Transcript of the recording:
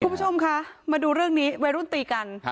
คุณผู้ชมคะมาดูเรื่องนี้วัยรุ่นตีกัน